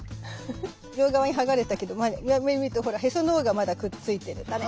両側に剥がれたけど見るとへその緒がまだくっついてるタネ。